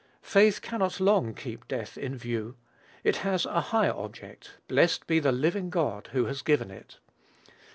Faith cannot long keep death in view; it has a higher object, blessed be the "living God" who has given it.